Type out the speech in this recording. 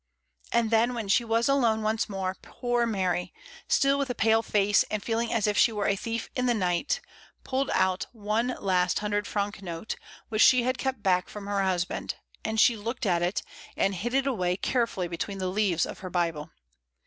And then, when she was alone once more, poor Mary, still with a pale face and feeling as if she were a thief in the night, pulled out one last hun dred franc note, which she had kept back from her husband, and she looked at it, and hid it away carefully between the leaves of her Bible.